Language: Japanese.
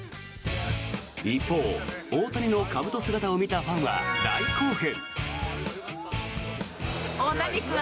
一方、大谷のかぶと姿を見たファンは大興奮。